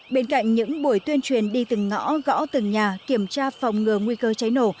bên cạnh những buổi tuyên truyền đi từng ngõ gõ từng nhà kiểm tra phòng ngừa nguy cơ cháy nổ